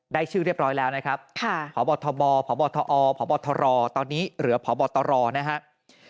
ชื่อเรียบร้อยแล้วนะครับพบทบพบทอพบทรตอนนี้เหลือพบตรนะครับ